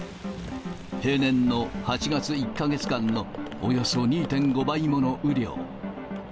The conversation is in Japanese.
平年の８月１か月間のおよそ２．５倍もの雨量。